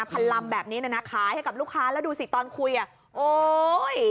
พันลำแบบนี้นะนะขายให้กับลูกค้าแล้วดูสิตอนคุยอ่ะโอ๊ย